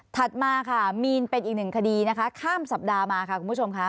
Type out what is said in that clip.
มาค่ะมีนเป็นอีกหนึ่งคดีนะคะข้ามสัปดาห์มาค่ะคุณผู้ชมค่ะ